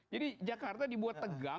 jadi jakarta dibuat tegang